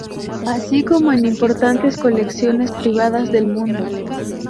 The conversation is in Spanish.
Así como en importantes colecciones privadas del mundo.